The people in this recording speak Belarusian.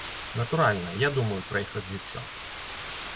Натуральна, я думаю пра іх развіццё.